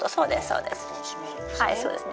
はいそうですね。